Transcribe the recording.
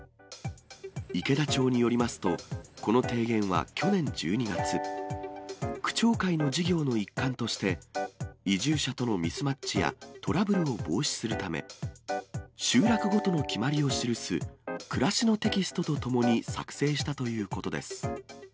池田町によりますと、この提言は去年１２月、区長会の事業の一環として、移住者とのミスマッチやトラブルを防止するため、集落ごとの決まりを記す暮らしのテキストと共に作成したということです。